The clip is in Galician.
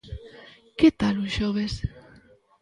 ¿Que tal un xoves?